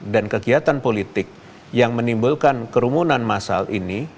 dan kegiatan politik yang menimbulkan kerumunan massal ini